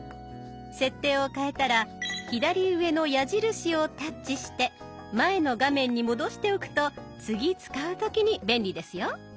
設定を変えたら左上の矢印をタッチして前の画面に戻しておくと次使う時に便利ですよ。